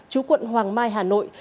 chú quận hoàng mai hà nội